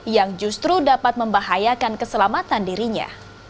yang justru dapat membahayakan keselamatan dirinya